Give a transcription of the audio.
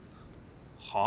はあ？